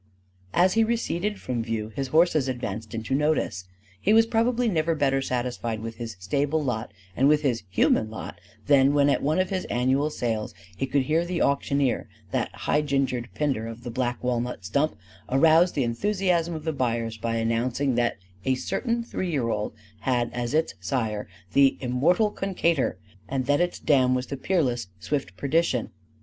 As he receded from view, his horses advanced into notice. He was probably never better satisfied with his stable lot and with his human lot than when at one of his annual sales he could hear the auctioneer that high gingered Pindar of the black walnut stump arouse the enthusiasm of the buyers by announcing that a certain three year old had as its sire the Immortal Cunctator and that its dam was the peerless Swift Perdition.